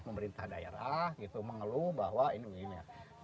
pemerintah daerah mengeluh bahwa ini ini ini